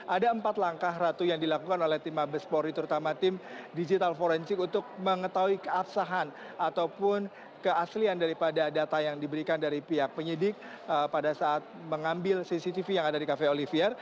ada empat langkah ratu yang dilakukan oleh tim mabespori terutama tim digital forensik untuk mengetahui keabsahan ataupun keaslian daripada data yang diberikan dari pihak penyidik pada saat mengambil cctv yang ada di cafe olivier